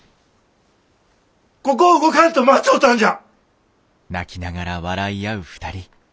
ここを動かんと待ちょったんじゃ。